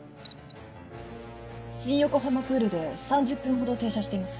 新横浜プールで３０分ほど停車しています。